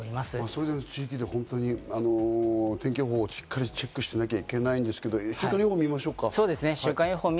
それぞれの地域でしっかり情報をチェックしなきゃいけないんですけど、週間予報を見ましょうか。